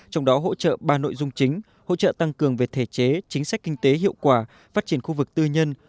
trong đó hỗ trợ ba nội dung chính hỗ trợ tăng cường về thể chế chính sách kinh tế hiệu quả phát triển khu vực tư nhân